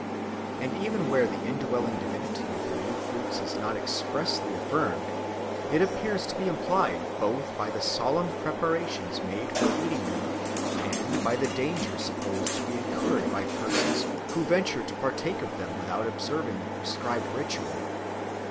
And even where the indwelling divinity of the first fruits is not expressly affirmed, it appears to be implied both by the solemn preparations made for eating them and by the danger supposed to be incurred by persons who venture to partake of them without observing the prescribed ritual.